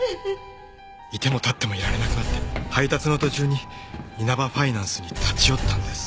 いてもたってもいられなくなって配達の途中にイナバファイナンスに立ち寄ったんです。